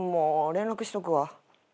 連絡しとくわ。